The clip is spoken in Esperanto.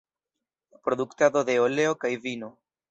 Produktado de oleo kaj vino.